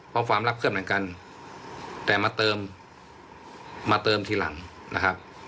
เพราะความรักเพื่อนเหมือนกันแต่มาเติมมาเติมทีหลังนะครับ